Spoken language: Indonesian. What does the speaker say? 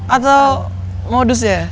atau modus ya